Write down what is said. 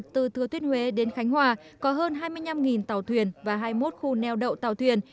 tuyết huế đến khánh hòa có hơn hai mươi năm tàu thuyền và hai mươi một khu neo đậu tàu thuyền